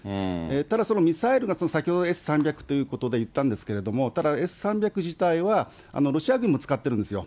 ただ、そのミサイルが先ほどＳー３００と言ったんですけれども、ただＳ−３００自体はロシア軍も使ってるんですよ。